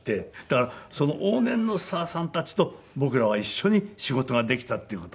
だから往年のスターさんたちと僕らは一緒に仕事ができたっていう事。